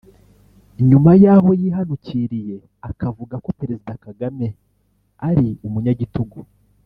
nyuma y’aho yihanukiriye akavuga ko Perezida Kagame ari umunyagitugu